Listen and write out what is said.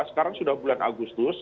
sekarang sudah bulan agustus